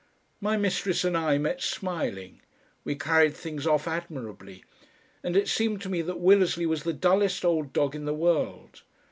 My mistress and I met smiling, we carried things off admirably, and it seemed to me that Willersley was the dullest old dog in the world.